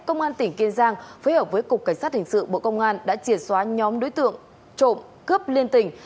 công an tỉnh kiên giang phối hợp với cục cảnh sát hình sự bộ công an đã triệt xóa nhóm đối tượng trộm cướp liên tỉnh